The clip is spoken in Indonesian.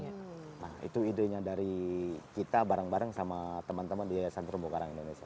nah itu idenya dari kita bareng bareng sama teman teman di yayasan terumbu karang indonesia